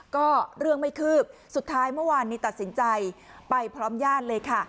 ก็เรื่องไม่คืบสุดท้ายเมื่อวานนี้ตัดสินใจไปพร้อมญาติเลยค่ะ